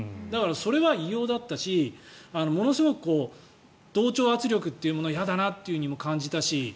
それは異様だったしものすごく同調圧力というものが嫌だなとも感じたし